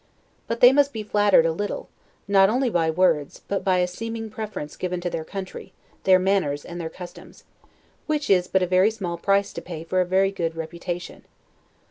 But they must be flattered a little, not only by words, but by a seeming preference given to their country, their manners, and their customs; which is but a very small price to pay for a very good reception.